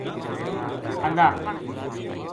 اللہ